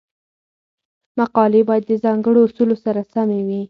مقالې باید د ځانګړو اصولو سره سمې وي.